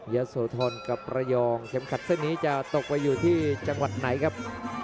ยะโสธรกับระยองเข็มขัดเส้นนี้จะตกไปอยู่ที่จังหวัดไหนครับ